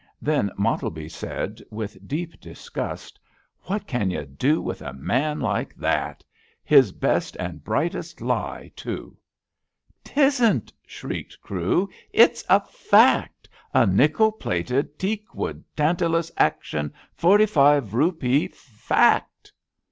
Then Mottleby said, with deep dis gust: What can you do with a man like that! His best and brightest lie, tool '''' 'Tisn't! '' shrieked Crewe. It's a fact — a nickel plated, teak wood, Tantalus action, forty five rupee fact.''